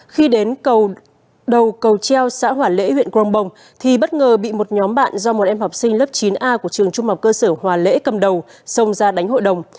khi đến đầu cầu treo xã hòa lễ huyện grongbong thì bất ngờ bị một nhóm bạn do một em học sinh lớp chín a của trường trung học cơ sở hòa lễ cầm đầu xông ra đánh hội đồng